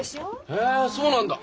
へえそうなんだ！